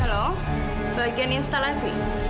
halo bagian instalasi